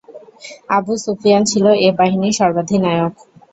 Abu Sufyan ছিল এ বাহিনীর সর্বাধিনায়ক।